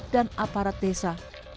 dan aparat desa